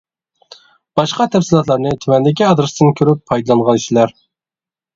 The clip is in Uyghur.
باشقا تەپسىلاتلارنى تۆۋەندىكى ئادرېستىن كۆرۈپ پايدىلانغايسىلەر.